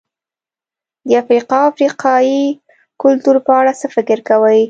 د افریقا او افریقایي کلتور په اړه څه فکر کوئ؟